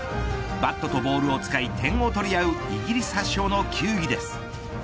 バットとボールを使い点を取り合うイギリス発祥の球技です。